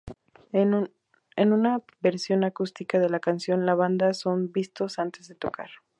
En una versión acústica de la canción, la banda son vistos antes de tocar.